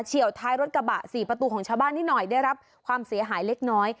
ี่ยวท้ายรถกระบะสี่ประตูของชาวบ้านนิดหน่อยได้รับความเสียหายเล็กน้อย